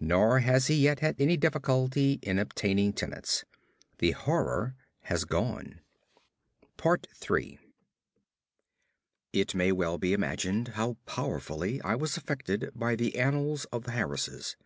Nor has he yet had any difficulty in obtaining tenants. The horror has gone. 3 It may well be imagined how powerfully I was affected by the annals of the Harrises.